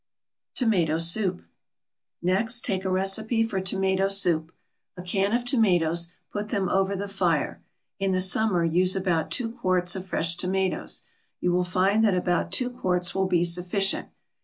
TOMATO SOUP. Next take a recipe for tomato soup. A can of tomatoes; put them over the fire. In the summer use about two quarts of fresh tomatoes. You will find that about two quarts will be sufficient.